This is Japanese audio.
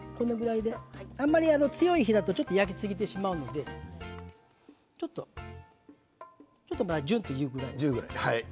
あまり強い火だと焼きすぎてしまうのでちょっとジューっというぐらいでいいです。